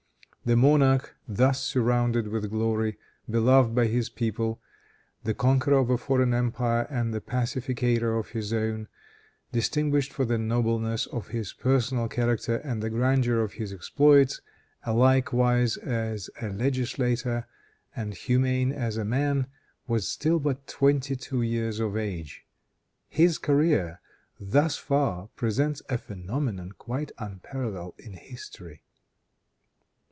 The monarch, thus surrounded with glory, beloved by his people, the conqueror of a foreign empire and the pacificator of his own, distinguished for the nobleness of his personal character and the grandeur of his exploits, alike wise as a legislator and humane as a man, was still but twenty two years of age. His career thus far presents a phenomenon quite unparalleled in history.